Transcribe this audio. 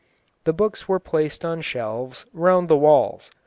The books were placed on shelves round the walls.